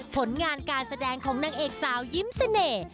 ผลงานการแสดงของนางเอกสาวยิ้มเสน่ห์